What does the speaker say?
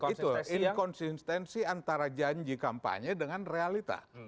itu inkonsistensi antara janji kampanye dengan realita